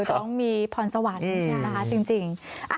ต้องมีผอนสวรรค์นะจริง